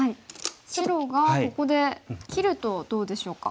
白がここで切るとどうでしょうか？